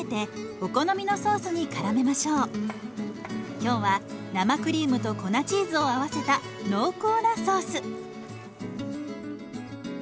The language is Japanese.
今日は生クリームと粉チーズを合わせた濃厚なソース。